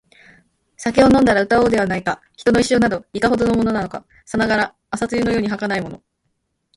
酒を飲んだら歌おうではないか／人の一生など、いかほどのものか／さながら朝露のように儚いもの